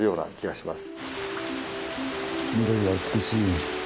緑が美しい。